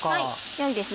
よいですね